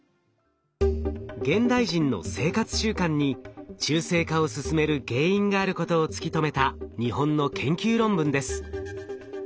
現代人の生活習慣に中性化を進める原因があることを突き止めた日本の研究論文です。